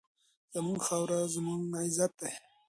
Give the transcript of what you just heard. زموږ خاوره زموږ عزت دی.